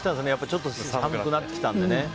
ちょっと寒くなってきたので。